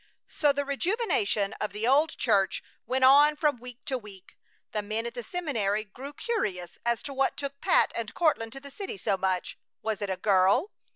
So the rejuvenation of the old church went on from week to week. The men at the seminary grew curious as to what took Pat and Courtland to the city so much. Was it a girl?